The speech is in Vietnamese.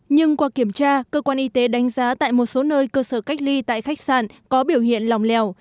nhưng qua kiểm tra cơ quan y tế đánh giá tại một số nơi cơ sở cách ly tại khách sạn có biểu hiện lòng lèo